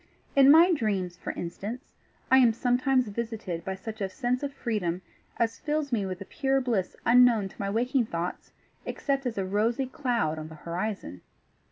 In my dreams, for instance, I am sometimes visited by such a sense of freedom as fills me with a pure bliss unknown to my waking thoughts except as a rosy cloud on the horizon.